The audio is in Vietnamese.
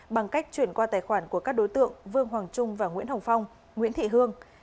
bằng cách chuyển qua tài khoản của các đối tượng vương hoàng trung và nguyễn hồng phong nguyễn thị hương